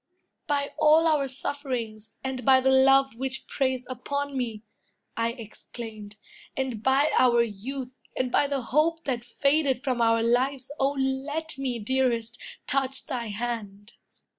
"By all our sufferings, and by the love Which preys upon me," I exclaimed, "and by Our youth, and by the hope that faded from Our lives, O let me, dearest, touch thy hand!"